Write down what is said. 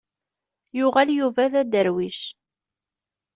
Yuɣal Yuba d aderwic.